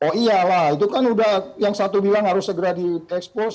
oh iya lah itu kan udah yang satu bilang harus segera diekspos